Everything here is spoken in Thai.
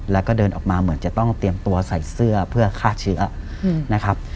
แล้วก็เดินออกมาเหมือนจะต้องเตรียมตัวใส่เสื้อเพื่อฆ่าเชื้อนะครับ